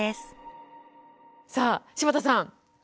さあ柴田さん